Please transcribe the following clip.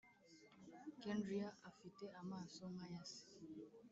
Kendria afite amaso nkaya se